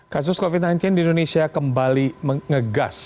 kasus covid sembilan belas di indonesia kembali mengegas